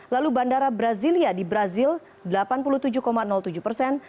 lalu bandara brasilia di brazil delapan puluh tujuh tujuh persen